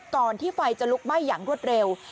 ก่อนที่ไฟจะลุกไหม้อย่างรวดเร็ว